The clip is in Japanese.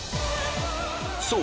そう！